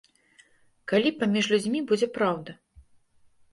Калі паміж людзьмі будзе праўда?